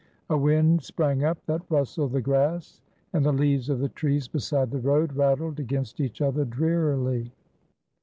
A wind sprang up that rustled the grass, and the leaves of the trees beside the road rattled against each other, drearily.